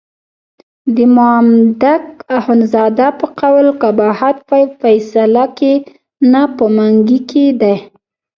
د مامدک اخندزاده په قول قباحت په فیصله کې نه په منګي کې دی.